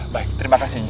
baik terima kasih